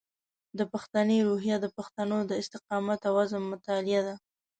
د پښتني روحیه د پښتنو د استقامت او عزم مطالعه ده.